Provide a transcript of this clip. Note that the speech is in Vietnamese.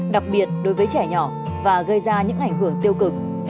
đặc biệt đối với trẻ nhỏ và gây ra những ảnh hưởng tiêu cực